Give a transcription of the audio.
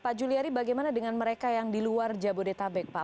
pak juliari bagaimana dengan mereka yang di luar jabodetabek pak